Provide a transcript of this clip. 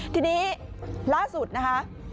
ทีนี้ล่าสุดนะคะ